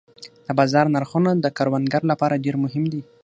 د بازار نرخونه د کروندګر لپاره ډېر مهم دي.